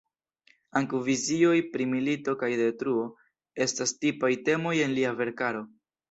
Ankaŭ vizioj pri milito kaj detruo estas tipaj temoj en lia verkaro.